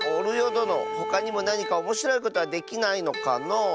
どのほかにもなにかおもしろいことはできないのかのう？